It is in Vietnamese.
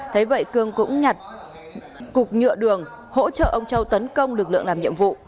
thế vậy cương cũng nhặt cục nhựa đường hỗ trợ ông châu tấn công lực lượng làm nhiệm vụ